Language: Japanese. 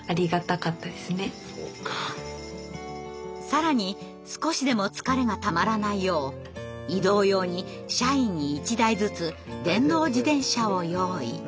更に少しでも疲れがたまらないよう移動用に社員に１台ずつ電動自転車を用意。